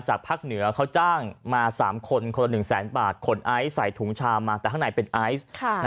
ภาคเหนือเขาจ้างมา๓คนคนละ๑แสนบาทขนไอซ์ใส่ถุงชามมาแต่ข้างในเป็นไอซ์